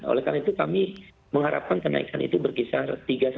oleh karena itu kami mengharapkan kenaikan itu berkisar